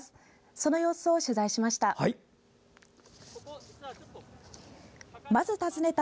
その様子を取材しました。